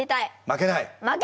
負けない！